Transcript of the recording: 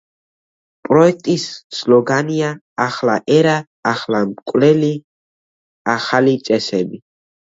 პროექტის სლოგანია „ახალი ერა, ახალი მკვლელი, ახალი წესები“.